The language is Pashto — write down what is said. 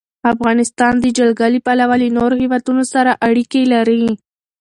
افغانستان د جلګه له پلوه له نورو هېوادونو سره اړیکې لري.